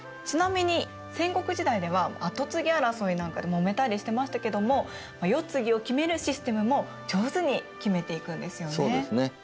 ちなみに戦国時代では後継ぎ争いなんかでもめたりしてましたけども世継ぎを決めるシステムも上手に決めていくんですよね。